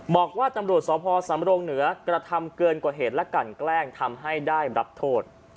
บอกว่าตำรวจสพสำรงเหนือกระทำเกินกว่าเหตุและกันแกล้งทำให้ได้รับโทษ